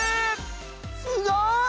すごい！